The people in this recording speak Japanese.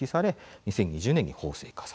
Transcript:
２０２０年に法制化。